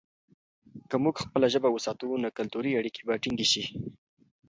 که موږ خپله ژبه وساتو، نو کلتوري اړیکې به ټینګې شي.